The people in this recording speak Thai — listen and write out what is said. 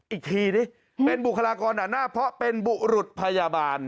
อีกทีดิเป็นบุคลากรด่านหน้าเพราะเป็นบุรุษพยาบาล